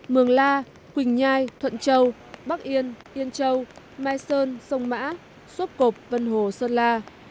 mường la quỳnh nhai thuận châu bắc yên yên châu mai sơn sông mã sốt cộp vân hồ sơn la